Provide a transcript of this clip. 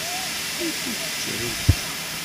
Wukud teččiḍ imekli?